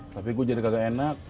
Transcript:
tapi kok jadi kagak enak